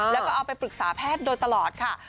แล้วก็เอาไปปรึกษาแพทย์โดยตลอดค่ะ